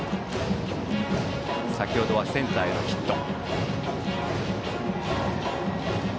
先程はセンターへのヒット。